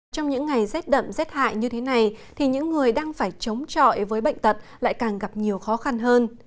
trong những ngày rét đậm rét hại như thế này thì những người đang phải chống trọi với bệnh tật lại càng gặp nhiều khó khăn hơn